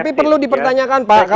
tapi perlu dipertanyakan pak